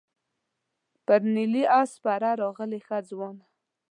پر نیلي آس سپره راغلې ښه ځوانه.